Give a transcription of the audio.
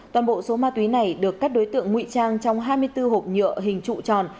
toàn bộ số ma túy này được các đối tượng ngụy trang trong hai mươi bốn hộp nhựa hình trụ tròn